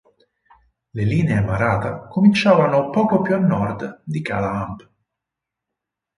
Le linee maratha cominciavano poco più a nord di Kala Amb.